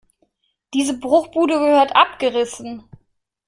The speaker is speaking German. Diese Bruchbude gehört abgerissen.